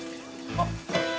あっ。